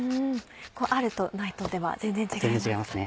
あるとないとでは全然違いますね。